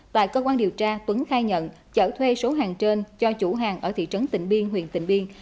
tại cơ quan điều tra tuấn khai nhận chở thuê số hàng trên cho chủ hàng ở thị trấn tịnh biên huyện tịnh biên